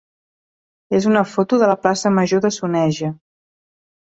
és una foto de la plaça major de Soneja.